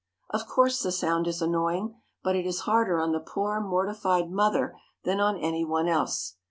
Of course the sound is annoying, but it is harder on the poor mortified mother than on any one else.